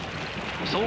そう